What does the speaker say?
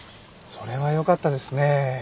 それはよかったですね。